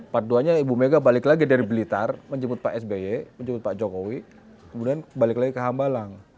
paduannya ibu mega balik lagi dari blitar menjemput pak sby menjemput pak jokowi kemudian balik lagi ke hambalang